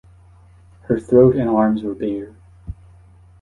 Her throat and arms were bare.